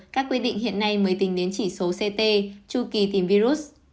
các quy định hiện nay mới tính đến chỉ số ct chu kỳ tìm virus